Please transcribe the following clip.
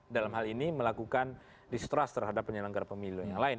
dalam hal ini melakukan distrust terhadap penyelenggara pemilu yang lain